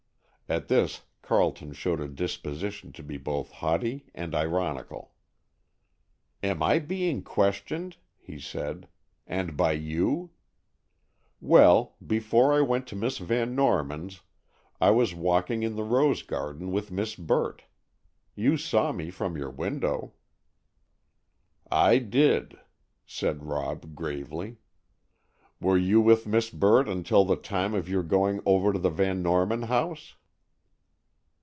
At this Carleton showed a disposition to be both haughty and ironical. "Am I being questioned," he said, "and by you? Well, before I went to Miss Van Norman's I was walking in the rose garden with Miss Burt. You saw me from your window." "I did," said Rob gravely. "Were you with Miss Burt until the time of your going over to the Van Norman house?"